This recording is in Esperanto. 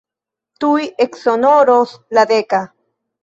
Tuj eksonoros la deka.